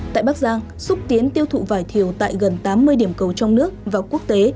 tại bắc giang xúc tiến tiêu thụ vải thiều tại gần tám mươi điểm cầu trong nước và quốc tế